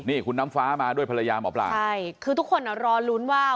นี่คุณน้ำฟ้ามาด้วยภรรยาหมอปลาใช่คือทุกคนอ่ะรอลุ้นว่า